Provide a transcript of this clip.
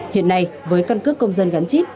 hiện nay với căn cước công dân gắn chip